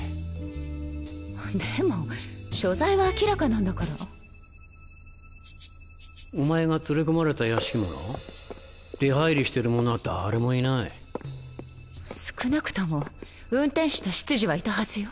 でも所在は明らかなんだからお前が連れ込まれた屋敷もな出入りしてる者は誰もいない少なくとも運転手と執事はいたはずよ